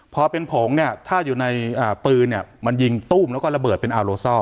พอเป็นผงเนี่ยถ้าอยู่ในปืนเนี่ยมันยิงตู้มแล้วก็ระเบิดเป็นอาโลซอล